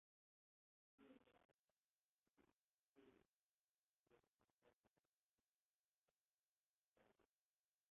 The attack consisted of pushing forward strong patrols protected by barrages.